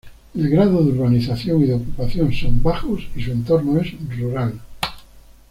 El grado de urbanización y de ocupación son bajos y su entorno es rural.